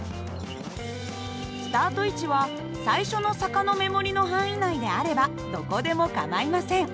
スタート位置は最初の坂の目盛りの範囲内であればどこでも構いません。